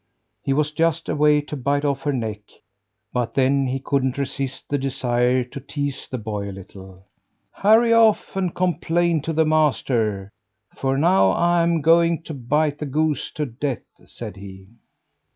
He was just about to bite off her neck but then he couldn't resist the desire to tease the boy a little. "Hurry off and complain to the master, for now I'm going to bite the goose to death!" said he.